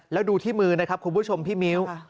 แล้วดูที่มือนะครับคุณผู้ชมพี่มิ้ว